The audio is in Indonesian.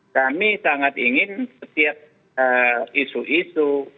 kami sangat ingin setiap isu isu